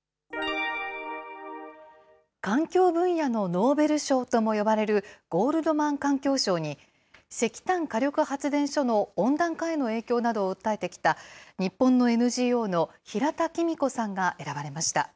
環境分野のノーベル賞とも呼ばれるゴールドマン環境賞に、石炭火力発電所の温暖化への影響などを訴えてきた、日本のＮＧＯの平田仁子さんが選ばれました。